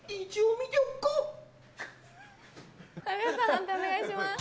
判定お願いします。